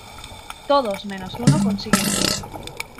Todos menos uno consiguen huir.